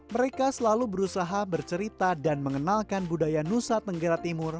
mereka selalu berusaha bercerita dan mengenalkan budaya nusa tenggara timur